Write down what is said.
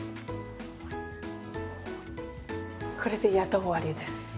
これでやっと終わりです。